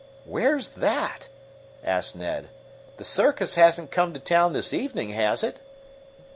"Where's that?" asked Ned. "The circus hasn't come to town this evening, has it?"